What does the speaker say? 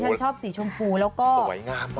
ฉันชอบสีชมพูแล้วก็สวยงาม